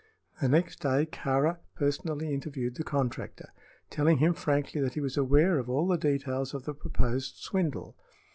The next day Kāra personally interviewed the contractor, telling him frankly that he was aware of all the details of the proposed swindle.